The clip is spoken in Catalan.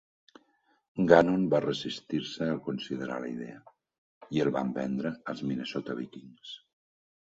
Gannon va resistir-se a considerar la idea, i el van vendre als Minnesota Vikings.